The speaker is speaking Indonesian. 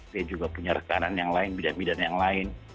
dia juga punya rekanan yang lain bidang bidang yang lain